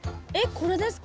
これですか？